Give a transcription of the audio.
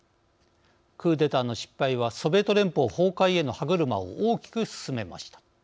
クーデターの失敗はソビエト連邦崩壊への歯車を大きく進めました。